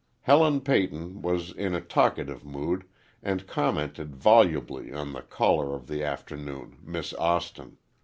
Helen Peyton was in a talkative mood and commented volubly on the caller of the afternoon, Miss Austin.